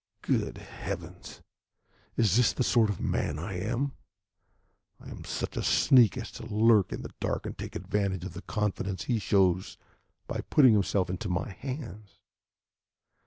Good heavens! Is this the sort of man I am? Am I such a sneak as to lurk in the dark and take advantage of the confidence he shows by putting himself into my hands!